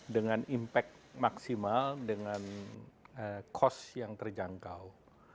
dengan impact maksimal dengan cost yang terjangkau